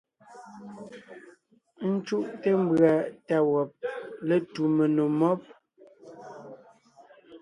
Ńcúʼte mbʉ̀a tá wɔb létu menò mɔ́b.